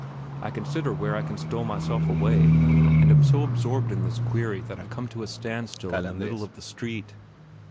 I consider where I can stow myself away, and am so absorbed in this query that I come to a standstill in the middle of the street.